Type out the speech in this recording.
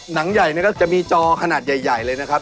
หนังใหญ่เนี่ยก็จะมีจอขนาดใหญ่เลยนะครับ